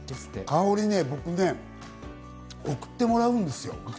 かおりね、僕ね、送ってもらうんですよ。